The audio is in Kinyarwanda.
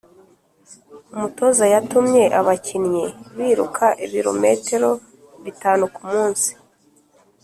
umutoza yatumye abakinnyi biruka ibirometero bitanu kumunsi.